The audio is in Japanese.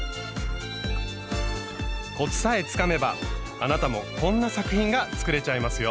コツさえつかめばあなたもこんな作品が作れちゃいますよ。